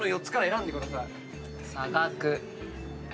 差額。